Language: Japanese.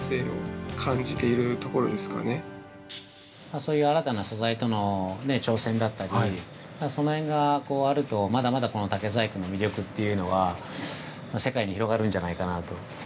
◆そういう新たな素材との挑戦だったり、その辺があるとまだまだ竹細工の魅力というのは世界に広がるんじゃないかなと。